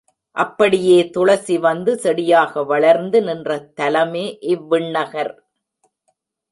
அப்படியே துளசி வந்து செடியாக வளர்ந்து நின்ற தலமே இவ்விண்ணகர்.